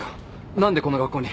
何でこの学校に？